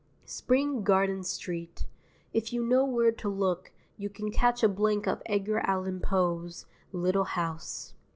Spring Garden Street: if you know where to look you can catch a blink of Edgar Allan Poe's little house.